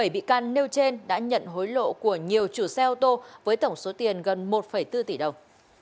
bảy bị can nêu trên đã nhận hối lộ của nhiều chủ xe ô tô với tổng số tiền gần một bốn tỷ đồng